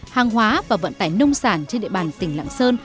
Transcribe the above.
hàng hóa và vận tải nông sản trên địa bàn tỉnh lạng sơn